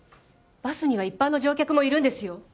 バスには一般の乗客もいるんですよ